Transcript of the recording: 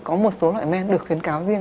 có một số loại men được khuyến cáo riêng